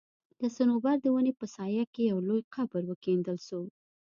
د صنوبر د وني په سايه کي يو لوى قبر وکيندل سو